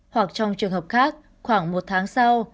hoặc trong trường hợp khác khoảng một tháng sau